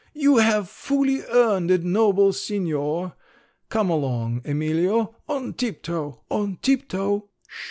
You have fully earned it, noble signor! Come along, Emilio! On tip toe! On tip toe!